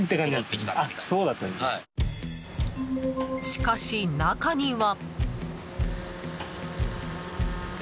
しかし、中には。